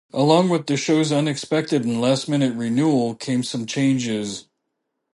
Along with the show's unexpected and last-minute renewal came some changes.